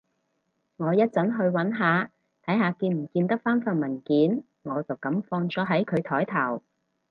我一陣去搵下，睇下見唔見得返份文件，我就噉放咗喺佢枱頭